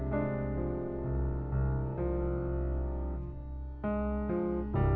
malin jangan lupa